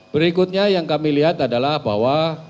berikutnya yang kami lihat adalah bahwa